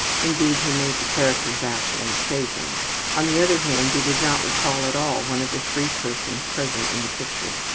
Indeed, he made the characters actually say things. On the other hand, he did not recall at all one of the three persons present in the picture.